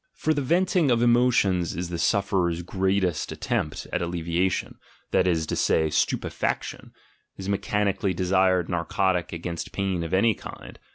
For the venting of emotions is the sufferer's greatest attempt at alleviation, that is to say, stupefaction, his mechanic ally desired narcotic against pain of any kind.